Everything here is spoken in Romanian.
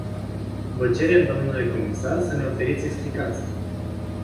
Vă cerem, dle comisar, să ne oferiți explicații.